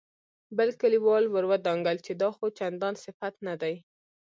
بل کليوال ور ودانګل چې دا خو چندان صفت نه دی.